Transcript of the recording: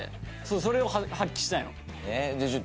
それを発揮したいの。